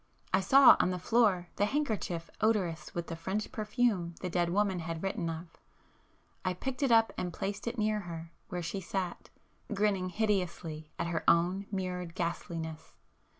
I saw on the floor the handkerchief odorous with the French perfume the dead woman had written of,—I picked it up and placed it near her where she sat, grinning hideously at her own mirrored ghastliness.